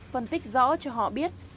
phân tích rõ cho họ biết